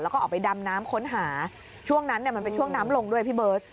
แล้วก็ออกไปดำน้ำค้นหาช่วงนั้นเนี่ยมันเป็นช่วงน้ำลงด้วยพี่เบิร์ต